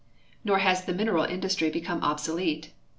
Nor has the mineral industry become obsolete.